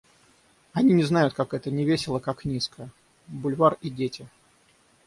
Они не знают, как это невесело, как низко... Бульвар и дети.